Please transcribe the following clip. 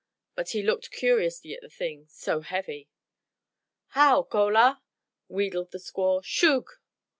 But he looked curiously at the thing, so heavy. "How, cola!" wheedled the squaw. "Shoog!"